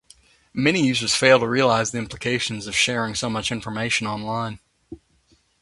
Many users fail to realize the implications of sharing so much information online.